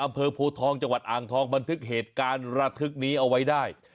โพทองจังหวัดอ่างทองบันทึกเหตุการณ์ระทึกนี้เอาไว้ได้